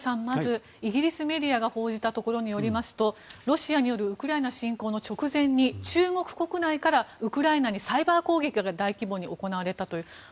まず、イギリスメディアが報じたところによりますとロシアによるウクライナ侵攻の直前に中国国内からウクライナにサイバー攻撃が大規模に行われたという。